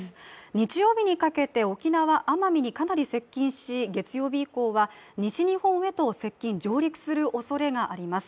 日曜日にかけて沖縄・奄美にかなり接近し月曜日以降は西日本へと接近・上陸するおそれがあります。